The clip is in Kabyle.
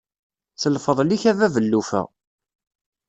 S lfeḍl-ik a bab llufa.